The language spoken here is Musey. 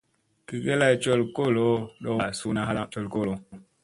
Gi ge lay col koolo, ɗowba suuna halaŋ col koolo.